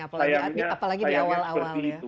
apalagi di awal awal ya